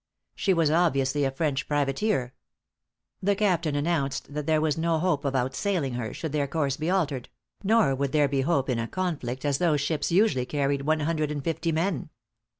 She was obviously a French privateer. The captain announced that there was no hope of out sailing her, should their course be altered; nor would there be hope in a conflict, as those ships usually carried one hundred and fifty men.